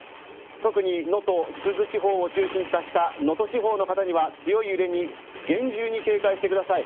特に能登、珠洲地方を中心とした能登地方の方は強い揺れに厳重に警戒してください。